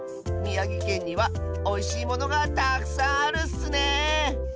みやぎけんにはおいしいものがたくさんあるッスね。